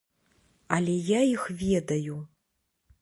Але я іх ведаю.